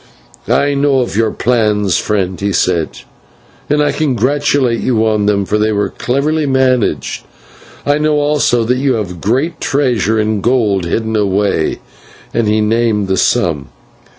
"I know all your plans, friend," he said, "and I congratulate you on them, for they were cleverly managed. I know also that you have a great treasure in gold hidden away " and he named the sum.